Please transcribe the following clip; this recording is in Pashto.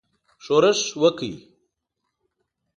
ښورښ وکړ.